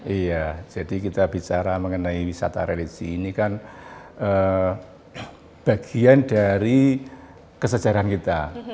iya jadi kita bicara mengenai wisata religi ini kan bagian dari kesejarahan kita